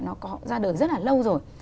nó có ra đời rất là lâu rồi